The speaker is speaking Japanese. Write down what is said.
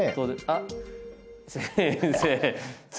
あっ先生